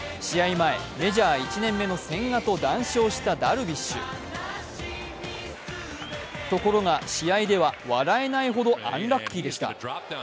前、メジャー１年目の千賀と談笑したダルビッシュ・ところが、試合では笑えないほどアンラッキーでした。